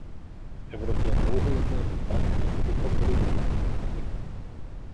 V Evropě dlouho jednáme tak, jako bychom byli nehybnými objekty.